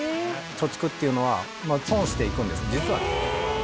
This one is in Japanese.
貯蓄っていうのは、損していくんです、実はね。